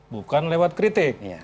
bukan lewat kritik